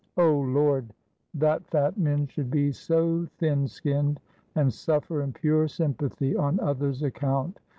Oh, Lord! that fat men should be so thin skinned, and suffer in pure sympathy on others' account.